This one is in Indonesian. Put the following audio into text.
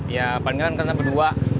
ya paling kan karena kedua